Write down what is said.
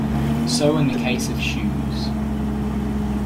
So in the case of shoes.